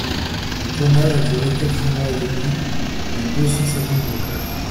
Le tournage a duré quatre mois et demi dans deux cent cinquante décors.